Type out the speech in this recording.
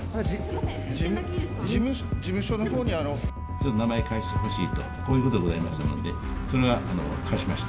事務、ちょっと名前を貸してほしいと、こういうことでございましたので、それは、貸しました。